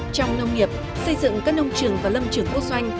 trong nông nghiệp xây dựng các nông trường và lâm trường quốc doanh